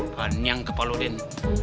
banyang kepalo den